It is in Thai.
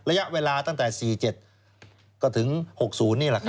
ระยะเวลาตั้งแต่๔๗ก็ถึง๖๐นี่แหละครับ